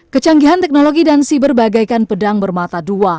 kecanggihan teknologi dan siber bagaikan pedang bermata dua